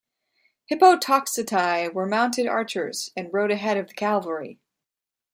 "Hippo-toxotai" were mounted archers and rode ahead of the cavalry.